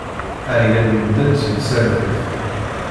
Ɛyan medden si tsertit.